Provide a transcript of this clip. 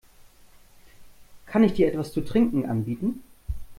Kann ich dir etwas zu trinken anbieten?